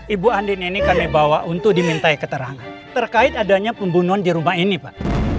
ibu andina ini kami bawa untuk dimintai keterangan terkait adanya pembunuhan di rumah ini pak